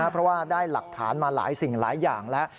เพราะว่าได้หลักฐานมาหลายสิ่งหลายอย่างแล้ว